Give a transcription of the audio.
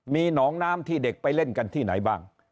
มีหนองน้ำที่เด็กไปเล่นกันที่ไหนบ้าง